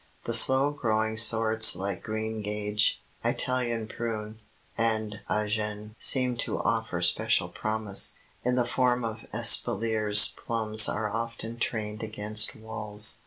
The slow growing sorts like Green Gage, Italian Prune, and Agen seem to offer special promise. In the form of espaliers plums are often trained against walls.